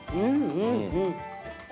うん。